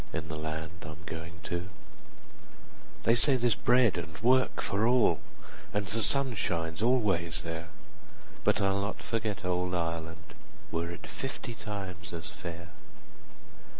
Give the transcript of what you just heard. In the land I'm goin' to; They say there 's bread and work for all, And the sun shines always there— But I'll not forget old Ireland, 55 Were it fifty times as fair!